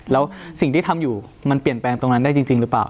แล้วสิ่งที่ทำอยู่มันเปลี่ยนแปลงตรงนั้นได้จริงหรือเปล่า